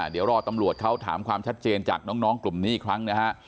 เดี๋ยวรอตำรวจเขาถามความชัดเจนจากน้องกลุ่มนี้อีกครั้งนะฮะ